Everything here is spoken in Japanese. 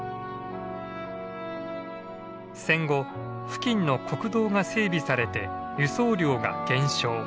戦後付近の国道が整備されて輸送量が減少。